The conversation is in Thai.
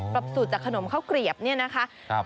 สูตรจากขนมข้าวเกลียบเนี่ยนะคะ